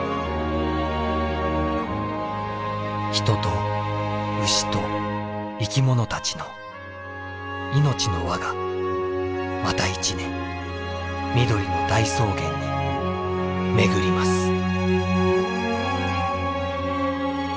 人と牛と生き物たちの命の輪がまた一年緑の大草原に巡ります。